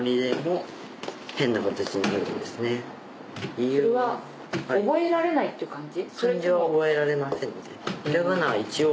それは覚えられないっていう感じ？